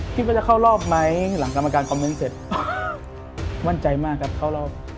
คิดว่าจะเข้ารอบไหมหลังกรรมการคอมเมนต์เสร็จมั่นใจมากครับเข้ารอบ